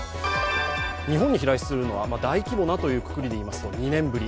日本に飛来するのは大規模なというくくりでいいますと２年ぶり。